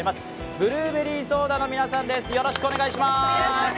ブルーベリーソーダの皆さんです。